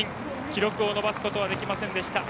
記録を伸ばすことはできませんでした。